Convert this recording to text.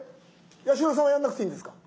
八代さんはやんなくていいんですか？